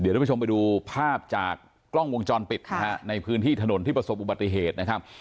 ทุกผู้ชมไปดูภาพจากกล้องวงจรปิดนะฮะในพื้นที่ถนนที่ประสบอุบัติเหตุนะครับ